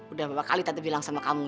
udah berapa kali tante bilang sama kamu